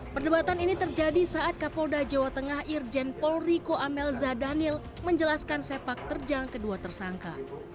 perdebatan ini terjadi saat kapolda jawa tengah irjen polriko amelza daniel menjelaskan sepak terjang kedua tersangka